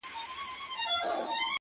د سپینتمان د سردونو د یسنا لوري،